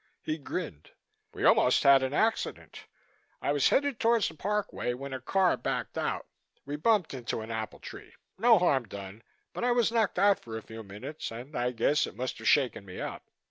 He grinned. "We almost had an accident. I was headed towards the Parkway when a car backed out. We bumped into an apple tree. No harm done but I was knocked out for a few minutes and I guess it must have shaken me up."